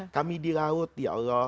kami di laut ya allah